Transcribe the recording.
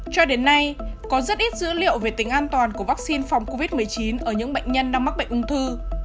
cho đến nay có rất ít dữ liệu về tính an toàn của vaccine phòng covid một mươi chín ở những bệnh nhân đang mắc bệnh ung thư